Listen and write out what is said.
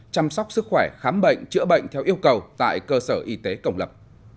chăm sóc sức khỏe khám bệnh chữa bệnh theo yêu cầu tại cơ sở y tế công lập